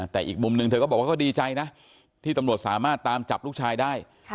แต่อีกมุมหนึ่งเธอก็บอกว่าก็ดีใจนะที่ตำรวจสามารถตามจับลูกชายได้